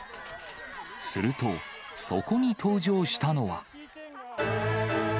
すると、そこに登場したのは。